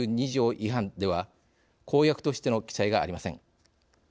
違反では公約としての記載がありません。